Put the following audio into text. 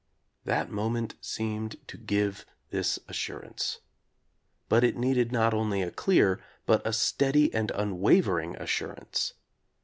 That moment seemed to give this assurance. But it needed not only a clear, but a steady and unwavering assur ance.